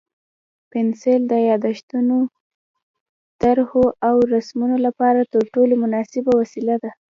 پنسل د یادښتونو، طرحو او رسمونو لپاره تر ټولو مناسبه وسیله ده.